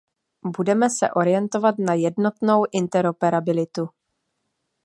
Budeme se orientovat na jednotnou interoperabilitu.